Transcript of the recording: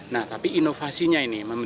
nah tapi inovasinya ini